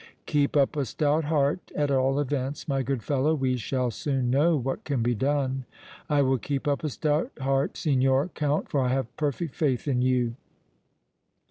"Keep up a stout heart, at all events, my good fellow. We shall soon know what can be done." "I will keep up a stout heart, Signor Count, for I have perfect faith in you!"